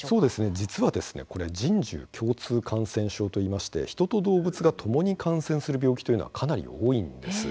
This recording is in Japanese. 実は「人獣共通感染症」といいまして人と動物がともに感染する病気というのは、かなり多いんです。